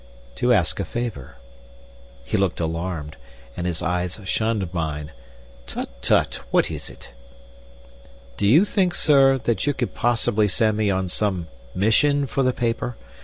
"To ask a favor." He looked alarmed, and his eyes shunned mine. "Tut, tut! What is it?" "Do you think, Sir, that you could possibly send me on some mission for the paper?